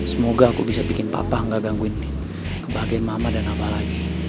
semoga aku bisa bikin papa gak gangguin kebahagiaan mama dan apa lagi